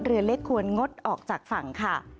เรือเล็กควรงดออกจากฝั่งค่ะ